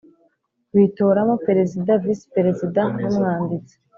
Bitoramo perezida visi perezida n umwanditsi